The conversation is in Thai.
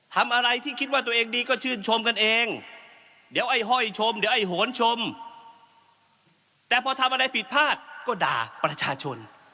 ทำอะไรที่คิดว่าตัวเองดีก็ชื่นชมกันเองเดี๋ยวไอ้ห้อยชมเดี๋ยวไอ้โหนชมแต่พอทำอะไรผิดพลาดก็ด่าประชาชน